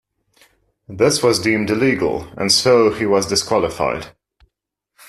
This was deemed illegal and so he was disqualified.